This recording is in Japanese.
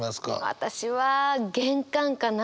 私は玄関かな。